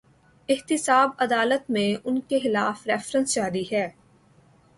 احتساب عدالت میں ان کے خلاف ریفرنس جاری ہیں۔